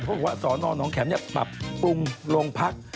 บอกว่าสอนอนน้องแข็มปรับปรุงโรงพัก